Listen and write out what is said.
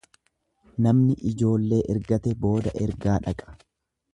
Namni ijoollee ergate booda ergaa dhaqa.